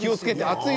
熱い！